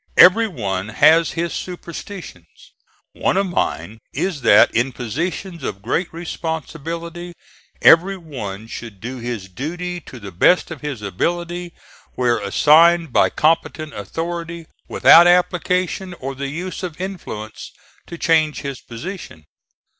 Every one has his superstitions. One of mine is that in positions of great responsibility every one should do his duty to the best of his ability where assigned by competent authority, without application or the use of influence to change his position.